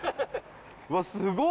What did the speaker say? うわっすごっ！